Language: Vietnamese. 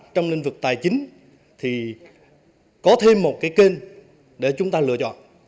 trong lĩnh vực tài chính thì có thêm một cái kênh để chúng ta lựa chọn